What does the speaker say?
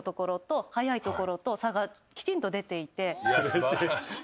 素晴らしい。